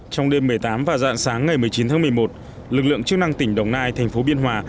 trong đêm một mươi tám và dạng sáng ngày một mươi chín tháng một mươi một lực lượng chức năng tỉnh đồng nai thành phố biên hòa